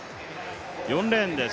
４レーンです。